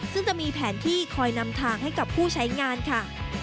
ซึ่งจะมีแผนที่คอยนำทางให้กับผู้ใช้งานค่ะ